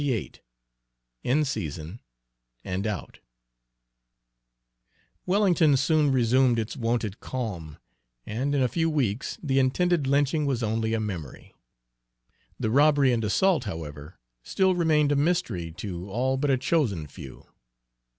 XXVIII IN SEASON AND OUT Wellington soon resumed its wonted calm, and in a few weeks the intended lynching was only a memory. The robbery and assault, however, still remained a mystery to all but a chosen few.